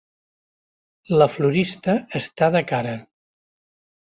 La florista està de cara.